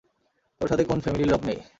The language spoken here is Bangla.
তোর সাথে কোন ফ্যামিলির লোক নেই।